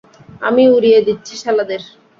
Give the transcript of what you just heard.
আমি উড়িয়ে দিচ্ছি শালাদের!